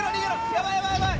やばいやばいやばい！